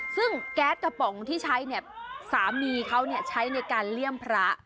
ซึ่งแก๊สกระป๋องที่ใช้เนี่ยสามีเขาใช้ในการเลี่ยมพระ